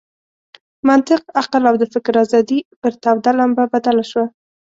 منطق، عقل او د فکر آزادي پر توده لمبه بدله شوه.